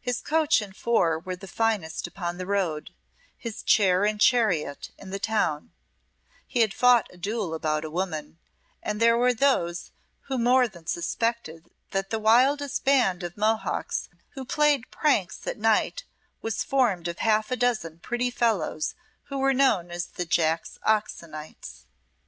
His coach and four were the finest upon the road, his chair and chariot, in the town; he had fought a duel about a woman, and there were those who more than suspected that the wildest band of Mohocks who played pranks at night was formed of half a dozen pretty fellows who were known as the "Jack Oxonites."